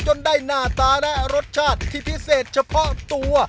ได้หน้าตาและรสชาติที่พิเศษเฉพาะตัว